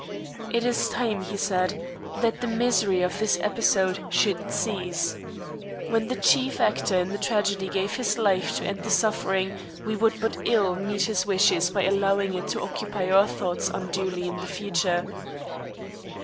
"It is time," he said, "that the misery of this episode should cease. When the chief actor in the tragedy gave his life to end the suffering, we would but ill meet his wishes by allowing it to occupy our thoughts unduly in the future."